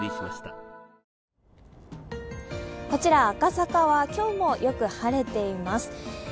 赤坂は今日もよく晴れています。